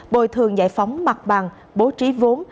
bồi thường giải phóng mặt bằng bố trí vốn